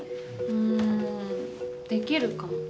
うんできるかも。